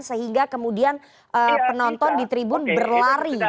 sehingga kemudian penonton di tribun berlari